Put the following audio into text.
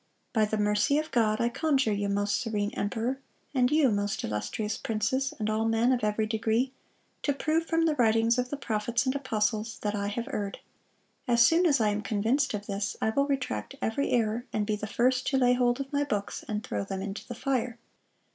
'... By the mercy of God, I conjure you, most serene emperor, and you, most illustrious princes, and all men of every degree, to prove from the writings of the prophets and apostles that I have erred. As soon as I am convinced of this, I will retract every error, and be the first to lay hold of my books and throw them into the fire."